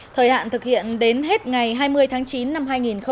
thời hạn thực hiện đến hết ngày hai mươi tháng chín năm hai nghìn một mươi chín